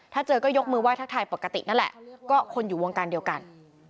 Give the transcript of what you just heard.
ถ้าเจอก็ยกมือไห้ทักทายปกตินั่นแหละก็คนอยู่วงการเดียวกัน